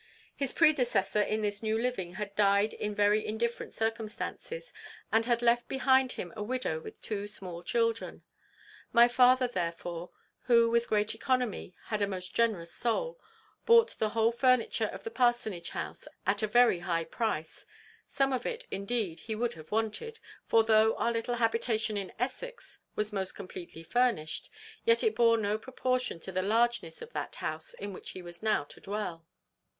"His predecessor in this new living had died in very indifferent circumstances, and had left behind him a widow with two small children. My father, therefore, who, with great economy, had a most generous soul, bought the whole furniture of the parsonage house at a very high price; some of it, indeed, he would have wanted; for, though our little habitation in Essex was most completely furnished, yet it bore no proportion to the largeness of that house in which he was now to dwell.